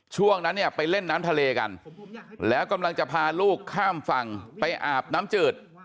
ช่วงนั้นเนี่ยไปเล่นน้ำทะเลกันแล้วกำลังจะพาลูกข้ามฝั่งไปอาบน้ำจืด